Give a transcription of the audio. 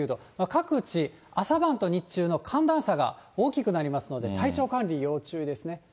各地、朝晩と日中の寒暖差が大きくなりますので、体調管理、要注意ですね。